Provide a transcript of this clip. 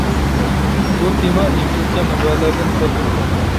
بۇ تېما ئىنگلىزچە مەنبەلەردىن تەرجىمە قىلىنغان.